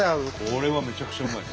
これはめちゃくちゃうまいです。